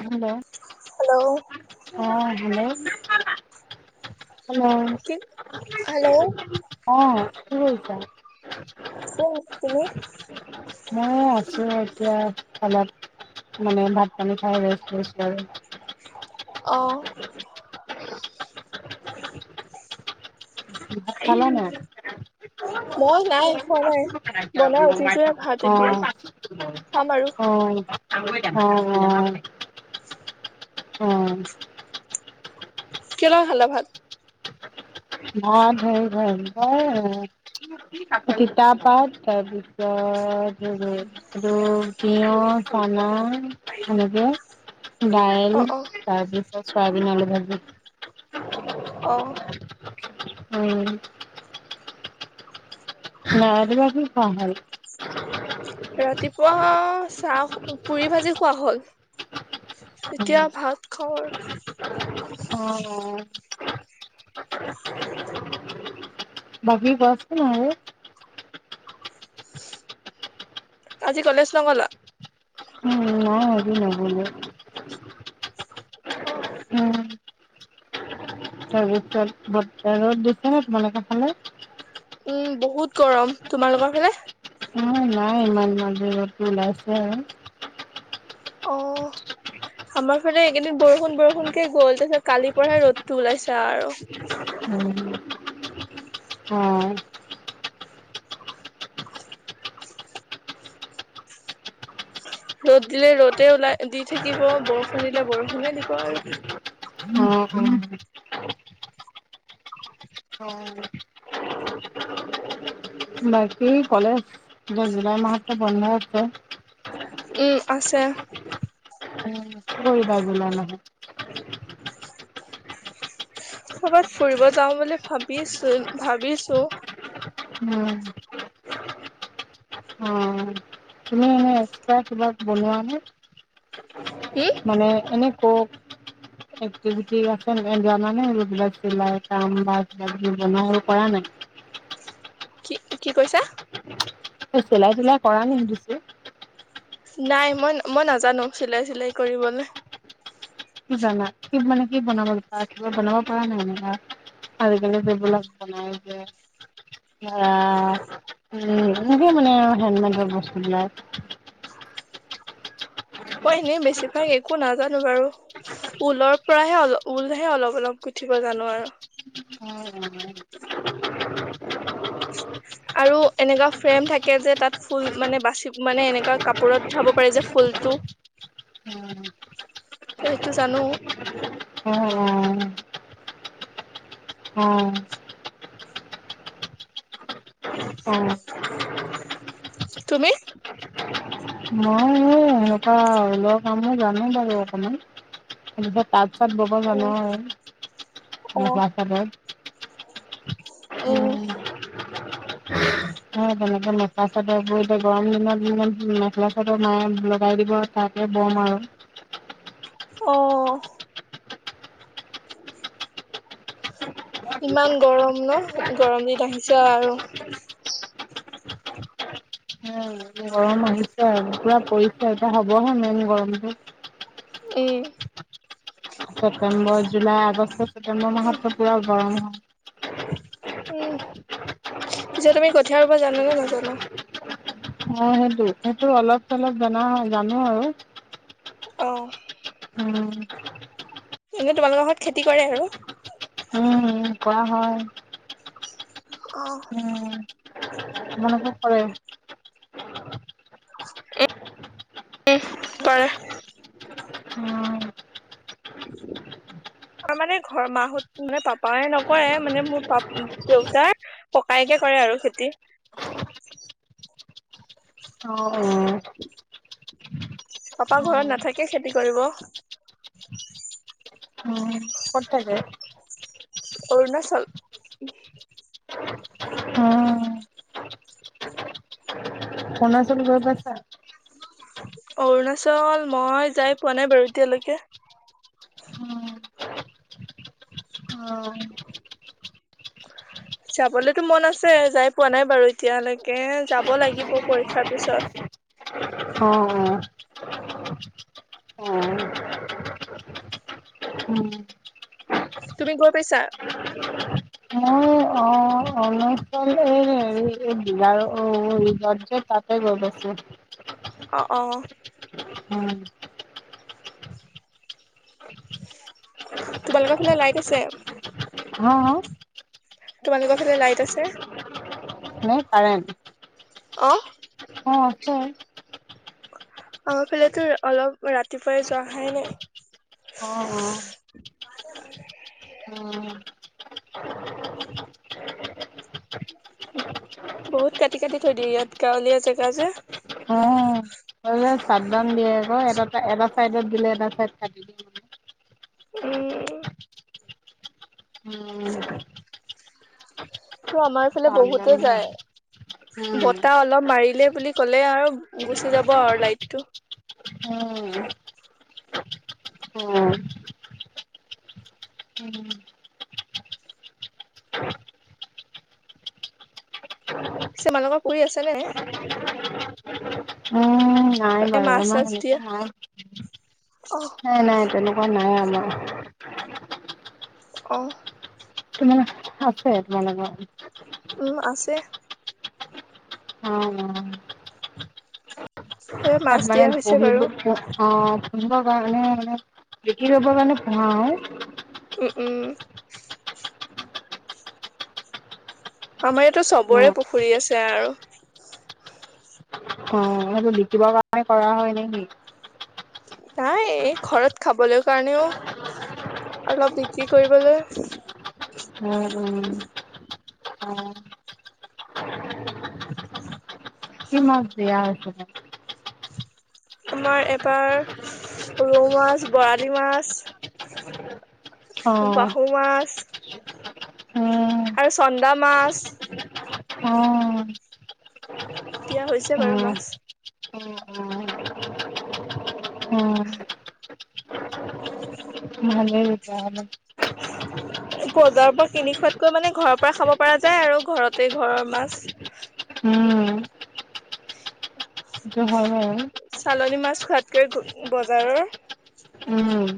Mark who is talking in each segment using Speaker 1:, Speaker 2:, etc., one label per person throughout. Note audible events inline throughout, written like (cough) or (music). Speaker 1: Hello!
Speaker 2: Hello!
Speaker 1: অ' hello hello!
Speaker 2: কি
Speaker 1: (inaudible)
Speaker 2: hello
Speaker 1: অ' কি কৰিছা?
Speaker 2: (unintelligible) তুমি?
Speaker 1: ময়ো আছো এতিয়া অলপ, মানে ভাত পানী খাই বৈ (unintelligible)
Speaker 2: অ'।
Speaker 1: ভাত‌ খালা নাই?
Speaker 2: মই নাই খোৱা নাই বনাই উঠিছোহে ভাত এতিয়া খাম আৰু
Speaker 1: (unintelligible) (unintelligible) (unintelligible) অ'
Speaker 2: কেটকা খালা ভাত?
Speaker 1: (unintelligible) তিতা পাট তাৰপিছত (unintelligible) এটো তিয়হ চানা এনেকে। দাইল তাৰপিছত
Speaker 2: অ অ
Speaker 1: চয়াবিন আলু ভাজি।
Speaker 2: অ'।
Speaker 1: উম। ৰাতিপুৱা কি খোৱা হ'ল?
Speaker 2: ৰাতিপুৱা চাহ পুৰি ভাজি খোৱা হ'ল। এতিয়া ভাত খাওঁ আৰু।
Speaker 1: অ', অ'। বাকি কোৱাচোন আৰু?
Speaker 2: আজি কলেজ নগ'লা?
Speaker 1: উম, নাই আজি নগ'লো।
Speaker 2: অহ।
Speaker 1: তাৰপিছত (unintelligible) ৰ'দ দিছে নে তোমালোকৰ ফালে?
Speaker 2: উম, বহুত গৰম, তোমালোকৰ ফালে?
Speaker 1: আমাৰ নাই ইমান মাজৰ ৰ'দ টো ওলাইছে হে।
Speaker 2: অ'। আমাৰ ফালে এইকেইদিন বৰষুণ বৰষুণ কে গ'ল তাৰপিছত কালিৰ পৰাহে ৰ'দটো ওলাইছে আৰু।
Speaker 1: উম, অ'।
Speaker 2: ৰ'দ দিলে ৰ'দে ওলাই দি থাকিব বৰষুণ দিলে বৰষুণে দিব আৰু।
Speaker 1: অ', অ'। অ'। বাকী কলেজ যে জুলাই মাহত বন্ধই আছে।
Speaker 2: উম, আছে।
Speaker 1: কি কৰিবা জুলাই মাহত?
Speaker 2: ক'ৰবাত ফুৰিব যাও বুলি ভাবিছোঁ ভাবিছোঁ।
Speaker 1: উম। অ'। তুমি এনে এক্সট্ৰা কিবা বনোৱা নে
Speaker 2: হম
Speaker 1: মানে এনে কওক
Speaker 2: (inaudible)
Speaker 1: এক্টিভিটি আছে জানেনে এইবিলাক চিলাই কাম বা কিবা কিবি বনাৱা কৰা নাই?
Speaker 2: কি কি কৈছা?
Speaker 1: চিলাই-তিলাই কৰা নে সুধিছোঁ?
Speaker 2: নাই মই নাজানো চিলাই-চিলাই কৰিবলৈ।
Speaker 1: কি জানা কি মানে কি বনাব বিচাৰা কিবা বনাব পৰা নাই মানে? আজিকালি এইবিলাক বনাই যে। এইয় এনেকেই মানে আৰু হেনমেডৰ বস্তুবিলাক।
Speaker 2: (inaudible) মই এনেই বেছিভাগ একো নাজানো বাৰু। ঊলৰ পৰাহে অলপ ঊলহে অলপ অলপ গুঠিব জানো আৰু।
Speaker 1: (unintelligible)
Speaker 2: আৰু এনেকা ফ্ৰেম থাকে যে তাত ফুল মানে বাচি মানে এনেকা কাপোৰত উঠাব পাৰে যে ফুলটো?
Speaker 1: উম।
Speaker 2: সেইটো জানো।
Speaker 1: অ', অ'। অ'। অ
Speaker 2: তুমি?
Speaker 1: মই ঘৰৰ কামো জানে বাৰু অকমান। এনেকুৱাট তাত চাত ব'ব
Speaker 2: অ
Speaker 1: জানো আৰু,
Speaker 2: অ
Speaker 1: মেখেলা চাদৰ
Speaker 2: (unintelligible)
Speaker 1: উম। অ' তেনেকে মাখেলা চাদৰ বৈ গৰম দিনত মায়ে মেখেলা চাদৰ মায়ে লগাই দিব তাকে বম আৰু।
Speaker 2: অঁ। ইমান গৰম ন, গৰম দিন আহিছে আৰু?
Speaker 1: উম, গৰম আহিছে আৰু, পুৰা পৰিচয় এতিয়া হ'বহে মেইন গৰমটো।
Speaker 2: উম।
Speaker 1: ছেপটেম্বৰ, জুলাই, আগষ্ট, ছেপ্তেম্বৰ মাহতো পূৰা গৰম হয়।
Speaker 2: উম, পিছে তুমি কঠীয়া ৰুব জানা নে নাজানা?
Speaker 1: অ' সেইটো, সেইটো অলপ চলপ জনা হয় জানো আৰু।
Speaker 2: অ'।
Speaker 1: উম।
Speaker 2: এনেই তোমালোকৰ ঘৰত খেতি কৰে আৰু?
Speaker 1: উম, ক'ৰা হয়।
Speaker 2: অ'।
Speaker 1: তোমালোকৰ কৰে?
Speaker 2: উম, উম, কৰে।
Speaker 1: অ'।
Speaker 2: আমাৰ মানে ঘৰ মাহঁত মানে পাপাই নকৰে মানে মোৰ পাপ দেউতাৰ ককাইয়েকে কৰে আৰু খেতি।
Speaker 1: অ', অ'। উম
Speaker 2: পাপা ঘৰত নাথাকে খেতি কৰিব?
Speaker 1: অ'। ক'ত থাকে?
Speaker 2: অৰুণাচল।
Speaker 1: উম। অৰুণাচল গৈ পাইছা?
Speaker 2: অৰুণাচল মই যাই পোৱা নাই বাৰু এতিয়ালৈকে।
Speaker 1: উম অ
Speaker 2: (unintelligible) যাবলৈকেতো মন আছে, যাই পোৱা নাই বাৰু এতিয়ালৈকে, যাব লাগিব পৰীক্ষাৰ পিছত।
Speaker 1: অ', অ'। উম।
Speaker 2: তুমি গৈ পাইছা?
Speaker 1: মই অ', অৰুণাচল এই (unintelligible) তাতে গৈ পাইছোঁ
Speaker 2: অঁ, অঁ।
Speaker 1: উম
Speaker 2: তোমালোকৰ ফালে লাইট আছে?
Speaker 1: অ
Speaker 2: তোমালোকৰ ফালে লাইট আছে?
Speaker 1: কাৰেন্ট
Speaker 2: অ
Speaker 1: অ আছে
Speaker 2: আমাৰ ফালেতো অলপ ৰাতিপুৱাই যোৱা আহাই নাই
Speaker 1: অ অ উ
Speaker 2: বহুত কাটি কাটি থৈ দিয়ে ইয়াত গাঁৱলীয়া জেগা যে
Speaker 1: অ চাত ডাঊন দিয়ে আক এটা এটা চাইডত দিলে এটা চাইড কাটি দিয়ে মানে।
Speaker 2: উম
Speaker 1: উম
Speaker 2: টো আমাৰ ইফালে
Speaker 1: চাটডাউন
Speaker 2: বহুতে
Speaker 1: দিয়ে।
Speaker 2: যায়
Speaker 1: উম,
Speaker 2: বতাহ অলপ মাৰিলে বুলি ক'লে আৰু গুচি যাব আৰু লাইট টো
Speaker 1: অ অ
Speaker 2: পিছে (unintelligible) আছে নে
Speaker 1: উ
Speaker 2: এ
Speaker 1: নাই
Speaker 2: মাছ চাছ
Speaker 1: বাৰু
Speaker 2: দিয়া?
Speaker 1: আমাৰ হেনেকে নাই
Speaker 2: অহ
Speaker 1: নাই নাই তেনেকুৱা অ নাই আমাৰ
Speaker 2: অ
Speaker 1: (unintelligible) আছে তোমালোকৰ
Speaker 2: উ আছে
Speaker 1: অ অ
Speaker 2: এ
Speaker 1: তাত
Speaker 2: মাছ দিয়া
Speaker 1: মান
Speaker 2: হৈছে
Speaker 1: বহি
Speaker 2: বাৰু
Speaker 1: (unintelligible) অ পুহিব কাৰণে মানে বিকি কৰিব কাৰণে ভাল
Speaker 2: উম উম আমাৰ ইয়াতো
Speaker 1: উম
Speaker 2: চবৰে পুখুৰী আছে আৰু
Speaker 1: অ সেইটো বিকিবৰ কাৰণে কৰা হয় নে কি
Speaker 2: নাই ঘৰত খাবলৈ কাৰণেও অলপ বিক্ৰী কৰিবলৈ
Speaker 1: উম উম উম ইমান বেয়া হৈছে
Speaker 2: মই এবাৰ ৰৌ মাছ বৰালি মাছ
Speaker 1: অ
Speaker 2: বাহুমাছ
Speaker 1: (unintelligible) উম
Speaker 2: আৰু চন্দা মাছ
Speaker 1: অ'।
Speaker 2: দিয়া হৈছে বাৰু মাছ।
Speaker 1: উম উম উম। ভালে শুইছে আৰু।
Speaker 2: বজাৰ পৰা কিনি খোৱাতকৈ মানে ঘৰৰ পৰা খাব পৰা যায় আৰু ঘৰতে ঘৰৰ মাছ।
Speaker 1: উম। উম, হম।
Speaker 2: চালনী মাছ খোৱাতক বজাৰৰ
Speaker 1: উম।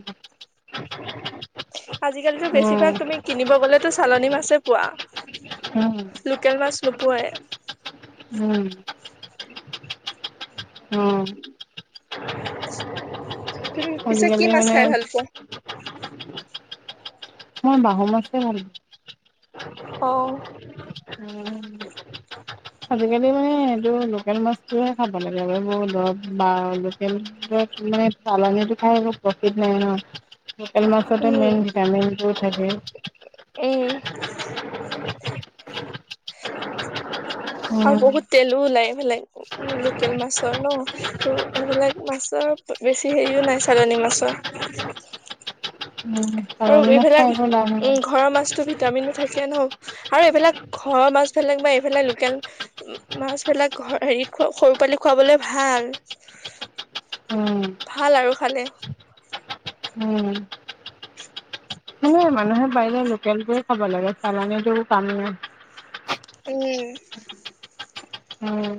Speaker 2: আজিকালিটো বেছিভাগ তুমি
Speaker 1: উম
Speaker 2: কিনিব গ'লেতো চালনী মাছেই পোৱা, লোকেল মাছ নোপোৱাই।
Speaker 1: উম। অ
Speaker 2: তুমি পিছে কি
Speaker 1: আজিকালি
Speaker 2: মাছ খাই
Speaker 1: মানে
Speaker 2: ভাল পোৱা?
Speaker 1: মই বাহু মাছে ভাল
Speaker 2: অ।
Speaker 1: উম। আজিকালি মানে সেইটো লোকেল মাছটোহে খাব লাগে বৰ দৰব বা লোকেলটোৱে মানে চালনিটো খাই আকৌ প্ৰটিন নাই ন, লোকেল মাছতে মাইন ভিটামিনবোৰ থাকে।
Speaker 2: এ। আৰু
Speaker 1: উম
Speaker 2: বহুত তেলো ওলাই এফালে লোকেল মাছৰ ন। তো এইবিলাক মাছৰ বেছি হেৰিও নাই চালনি মাছৰ।
Speaker 1: উম।
Speaker 2: আৰু
Speaker 1: চালানী মাছ
Speaker 2: এইফালে
Speaker 1: খাই একো লাভ নাই
Speaker 2: উম ঘৰৰ মাছতো ভিট টামিনো থাকে ন আৰু এইবিলাক ঘৰৰ মাছবিলাক বা এইফালে লোকেল মাছবিলাক ঘ হেৰিত সৰু পালি খুৱালে ভাল।
Speaker 1: উম।
Speaker 2: ভাল আৰু খালে।
Speaker 1: উম। এ মানুহ পাৰিলে লোকেলটোহে খাব লাগে চালানীটো কাম নাই।
Speaker 2: উম।
Speaker 1: ধও।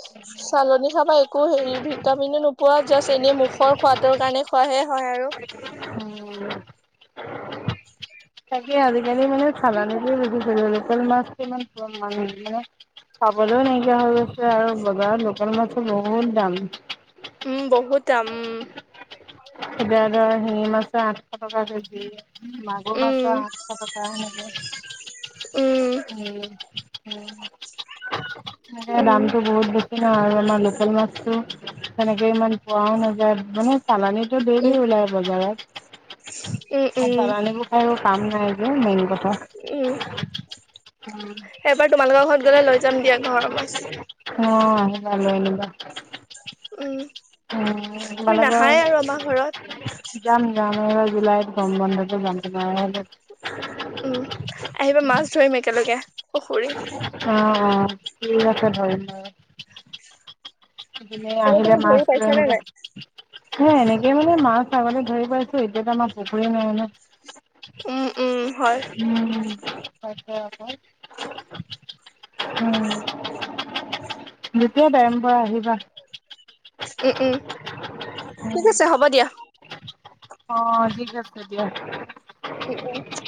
Speaker 2: (inaudible) চালনী খাব একো হেৰি ভিটামিনো নোপোৱা, জাষ্ট এনে মুখৰ সোৱাদৰ কাৰণে খোৱাহে হয় আৰু।
Speaker 1: উম তাকে আজিকালি মানে চালানটো বেছি চলে, লোকেল মাছটো ইমান খোৱা (unintelligible) পাবলেও নাইকিয়া হৈ গৈছে আৰু বজাৰত লোকেল মাছটো বহুত দাম।
Speaker 2: উম বহুত দাম উম।
Speaker 1: এতিয়া ধৰ শিঙি মাছৰ আঠশ টকা কেজি। মাগুৰ
Speaker 2: উম
Speaker 1: মাছৰ আঠশ টকা সেনেকে উম। উম, তাকে
Speaker 2: উম
Speaker 1: দামটো বহুত বে ন আমাৰ লোকেল মাছতো তেনেকে ইমান খুৱাও নাযায় মানে চালানিত তো ডেইলি
Speaker 2: উম
Speaker 1: উলায় বজাৰত,
Speaker 2: উম উম
Speaker 1: চালনিবো আৰু কাম নাই যে মেইন কথা।
Speaker 2: উম,
Speaker 1: উম,
Speaker 2: এবাৰ তোমালোকৰ ঘৰত গ'লে লৈ যাম দিয়া ঘৰৰ মাছ।
Speaker 1: অ আহিবা লৈ আহিবা।
Speaker 2: উম, তুমি নাহায়
Speaker 1: তোমালোকৰ
Speaker 2: আৰু আমাৰ ঘৰত।
Speaker 1: যাম যাম এবাৰ জুলাইত গৰম বন্ধতে যাম তোমাৰ ঘৰলে।
Speaker 2: উম, আহিবা মাছ ধৰিম একেলগে পুখুৰী।
Speaker 1: অ অ ঠিক আছে ধৰিম বাৰু।
Speaker 2: চাগে তুমি
Speaker 1: আহিলে মাছ
Speaker 2: ধৰি
Speaker 1: লৈ
Speaker 2: পাইছানে
Speaker 1: আহিলে
Speaker 2: নাই?
Speaker 1: হে এনেকে মানে মাছ আগতে ধৰি পাইছো। এতিয়াতো আমাৰ পুখুৰী নাই ন।
Speaker 2: উম উম হয়।
Speaker 1: উম হৈছে আক। উম' যেতিয়া টাইম পোৱা আহিবা।
Speaker 2: উম উম ঠিক
Speaker 1: উম
Speaker 2: আছে হ'ব দিয়া।
Speaker 1: অ' ঠিক আছে দিয়া।
Speaker 2: (inaudible)